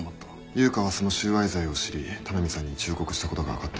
悠香はその収賄罪を知り田波さんに忠告したことが分かってる。